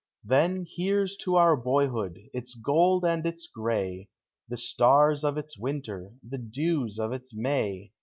Then here 's to our boyhood, its gold and its gray! The stars of its winter, the dews of its May!